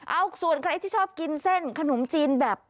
เอาส่วนใครที่ชอบกินเส้นขนมจีนแบบ